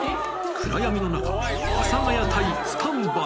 暗闇の中、阿佐ヶ谷隊、スタンバイ。